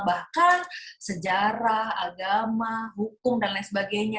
bahkan sejarah agama hukum dan lain sebagainya